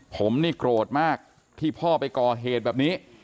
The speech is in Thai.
ผมนี่โกรธมากที่พ่อไปก่อเหตุแบบนี้